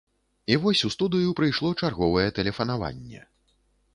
І вось у студыю прыйшло чарговае тэлефанаванне.